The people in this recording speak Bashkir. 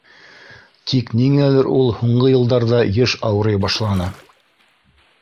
Тик ниңәлер ул һуңғы йылдарҙа йыш ауырый башланы.